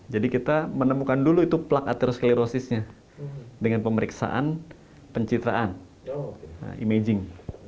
jadi kita menemukan dulu itu plak atherosklerosisnya dengan pemeriksaan pencitraan imaging